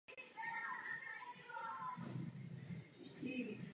Horská pásma se rozkládají rovnoběžně ze severozápadu na jihovýchod.